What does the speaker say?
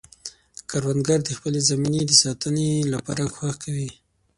کروندګر د خپلې زمینې د ساتنې لپاره کوښښ کوي